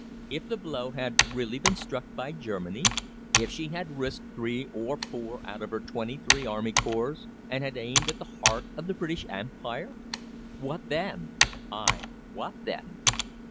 If the blow had really been struck by Germany? If she had risked three or four, out of her twenty three, army corps, and had aimed at the heart of the British Empire? What then? Ay! what then?